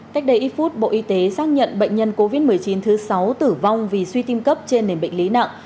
cách đây ít phút bộ y tế xác nhận bệnh nhân covid một mươi chín thứ sáu tử vong vì suy tim cấp trên nền bệnh lý nặng